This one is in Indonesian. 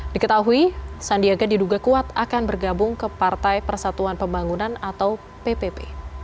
diketahui sandiaga diduga kuat akan bergabung ke partai persatuan pembangunan atau ppp